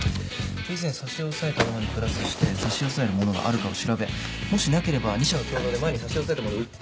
以前差し押さえたものにプラスして差し押さえるものがあるかを調べもしなければ２社が共同で前に差し押さえたものを売って。